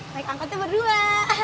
naik angkotnya berdua